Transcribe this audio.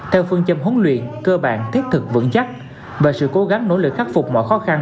theo phương châm huấn luyện cơ bản thiết thực vững chắc và sự cố gắng nỗ lực khắc phục mọi khó khăn